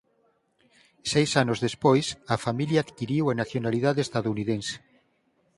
Seis anos despois a familia adquiriu a nacionalidade estadounidense.